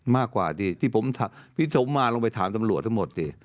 มากกว่าดิที่ผมพี่สมมาลองไปถามตำรวจทั้งหมดสิ